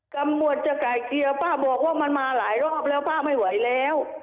กำหนดจะไก่เกลียป้าบอกว่ามันมาหลายรอบแล้วป้าไม่ไหวแล้ว